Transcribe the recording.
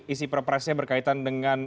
isi preparasinya berkaitan dengan